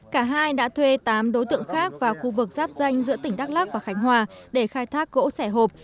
cả hai đã thuê tám đối tượng khác vào khu vực giáp danh giữa tỉnh đắk lắc và khánh hòa để khai thác gỗ sẻ hộp